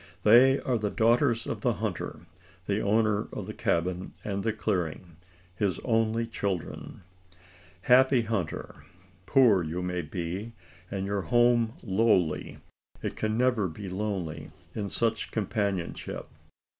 They are the daughters of the hunter the owner of the cabin and clearing his only children. Happy hunter! poor you may be, and your home lowly; it can never be lonely in such companionship.